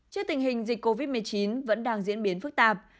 trước tình hình dịch covid một mươi chín vẫn đang diễn biến phức tạp